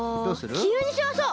きいろにしましょう！